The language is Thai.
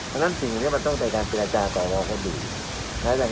แต่บางทีกฎหมายต่างประเทศก็อีกอย่าง